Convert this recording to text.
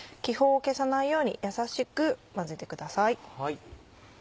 気泡を消さないようにやさしく混ぜてください。